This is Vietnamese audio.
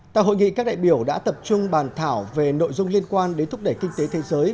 tại hội nghị các đại biểu đã tập trung bàn thảo về nội dung liên quan đến thúc đẩy kinh tế thế giới